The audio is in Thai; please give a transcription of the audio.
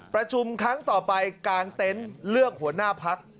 ประชุมครั้งต่อไปกางเต็นต์เลือกหัวหน้าพัก